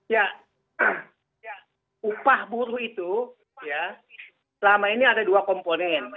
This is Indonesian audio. ya upah buruh itu ya selama ini ada dua komponen